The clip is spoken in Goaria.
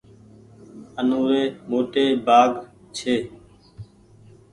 آ نوري موٽي ڀآگ ڇي۔